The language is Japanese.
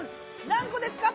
何個ですか？